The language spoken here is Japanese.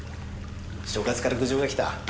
所轄から苦情が来た。